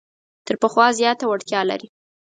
تر پخوا زیاته وړتیا لري.